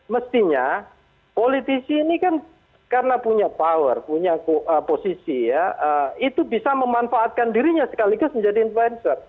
mestinya politisi ini kan karena punya power punya posisi ya itu bisa memanfaatkan dirinya sekaligus menjadi influencer